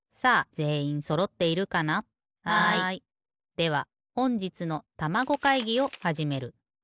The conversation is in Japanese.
ではほんじつのたまご会議をはじめる。